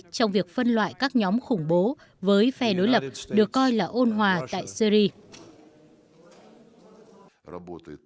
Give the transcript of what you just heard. trong việc phân loại các nhóm khủng bố với phe đối lập được coi là ôn hòa tại syri